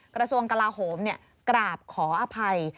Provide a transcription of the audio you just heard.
กระทรวงกลาโหมกราบขออภัย